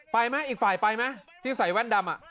ไปมั้ยอีกฝ่ายไปมั้ยที่ใส่แว่นดำ